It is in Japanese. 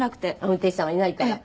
運転手さんがいないから。